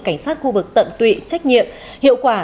cảnh sát khu vực tận tụy trách nhiệm hiệu quả